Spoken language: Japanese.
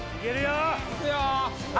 いくよ！